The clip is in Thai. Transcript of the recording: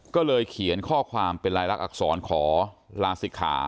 ก็เลยเขียนข้อความเป็นลายลักษณอักษรขอลาศิกขา